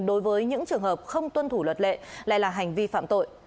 đối với những trường hợp không tuân thủ luật lệ là hành vi phạm tội